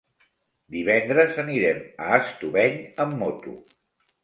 Divendres anirem a Estubeny amb moto.